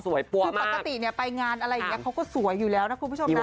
สวยปัวมากจะได้ไปงานอะไรอย่งเนี่ยเขาก็สวยอยู่แล้วนะคุณผู้ชมนะ